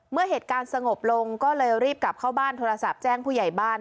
เมื่อเหตุการณ์สงบลงก็เลยรีบกลับเข้าบ้านโทรศัพท์แจ้งผู้ใหญ่บ้าน